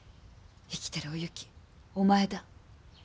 生きてるお雪お前だ」